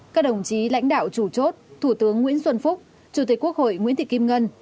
các đồng chí lãnh đạo chủ chốt thủ tướng nguyễn xuân phúc chủ tịch quốc hội nguyễn thị kim ngân